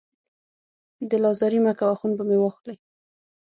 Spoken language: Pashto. دل ازاري مه کوه، خون به مې واخلې